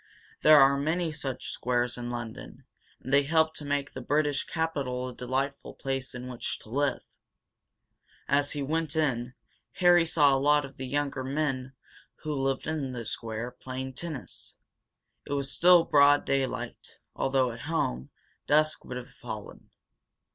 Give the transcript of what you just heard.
There are many such squares in London, and they help to make the British capital a delightful place in which to live. As he went in, Harry saw a lot of the younger men who lived in the square playing tennis. It was still broad daylight, although, at home, dusk would have fallen.